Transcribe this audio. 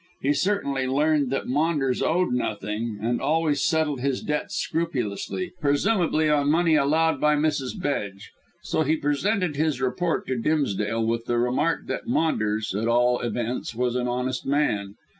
He certainly learned that Maunders owed nothing and always settled his debts scrupulously presumably on money allowed by Mrs. Bedge; so he presented his report to Dimsdale with the remark that Maunders, at all events, was an honest man.